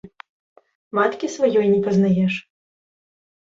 Маткі сваёй не пазнаеш?!